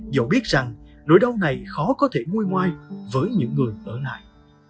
dẫu biết rằng nỗi đau này khó có thể nguôi ngoai với những người ở lại